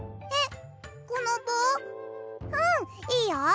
うんいいよ。